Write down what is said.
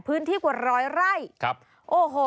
พื้นที่กว่าร้อยไร่ครับโอ้โห